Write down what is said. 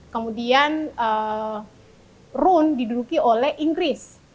kemudian rune diduduki oleh inggris